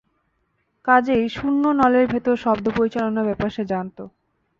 কাজেই শূন্য নলের ভেতর শব্দ পরিচালনার ব্যাপার সে জানত।